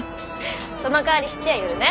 そのかわり質屋寄るね。